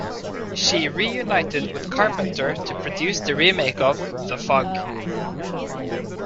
She reunited with Carpenter to produce the remake of "The Fog".